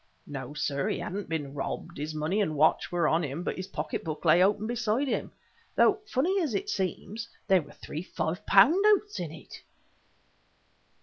No, sir, he hadn't been robbed; his money and watch were on him but his pocketbook lay open beside him; though, funny as it seems, there were three five pound notes in it!"